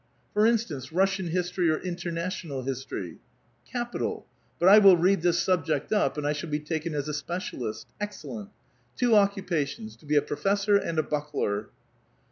'' For instance, Russian history or international histoi'y." ^^ Capital ! Hut I will read tliis subject up, and I shall be taken as a specialist, iixcelleut ! Two occupations, — tc be a prolVssor and a buckler."